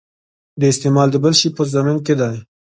دا استعمال د بل شي په ضمن کې دی.